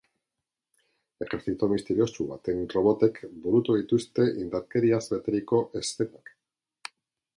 Ejerzito misteriotsu baten robotek burutu dituzte indarkeriaz beteriko eszenak.